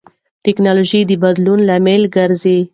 ټیکنالوژي د بدلون لامل ګرځي.